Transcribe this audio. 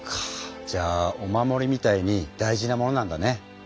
じゃあお守りみたいに大事なものなんだね。